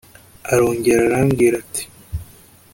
arongera arambwira ati